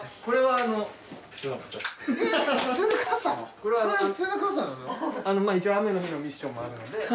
あのまあ一応雨の日のミッションもあるので。